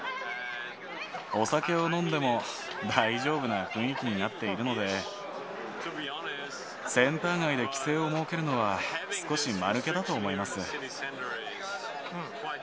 お酒を飲んでも、大丈夫な雰囲気になっているので、センター街で規制を設けるのは、少しまぬけだと思います。